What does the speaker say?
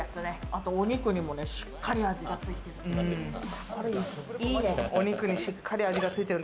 あとお肉にもしっかり味がついてる。